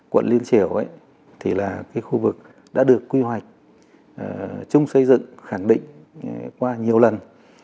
quận liên triều thì là cái khu vực đã được quy hoạch chung xây dựng khẳng định qua nhiều lần